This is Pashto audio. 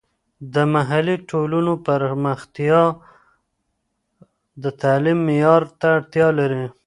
د محلي ټولنو پرمختیا د تعلیم معیار ته اړتیا لري.